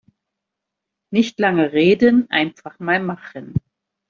Nicht lange reden, einfach mal machen!